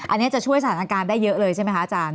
อันนี้จะช่วยสถานการณ์ได้เยอะเลยใช่ไหมคะอาจารย์